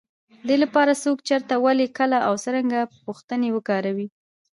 دې لپاره، څوک، چېرته، ولې، کله او څرنګه پوښتنې وکاروئ.